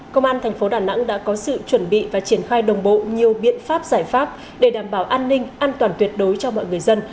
công an thành phố đà nẵng đã có sự chuẩn bị và triển khai đồng bộ nhiều biện pháp giải pháp để đảm bảo an ninh an toàn tuyệt đối cho mọi người dân